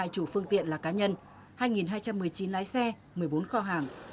ba trăm tám mươi hai chủ phương tiện là cá nhân hai hai trăm một mươi chín lái xe một mươi bốn kho hàng